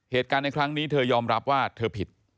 เหตุการณ์ในครั้งนี้เธอยอมรับว่าเธอผิด